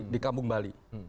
di kampung bali